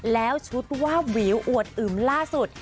แล้วชุดวาบวิวอวดอึมล่าสุด